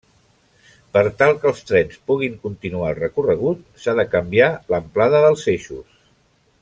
Per tal que els trens puguin continuar el recorregut s'ha de canviar l'amplada dels eixos.